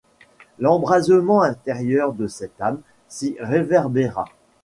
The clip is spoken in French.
L’embrasement intérieur de cette âme s’y réverbéra.